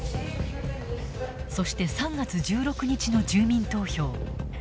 そして３月１６日の住民投票。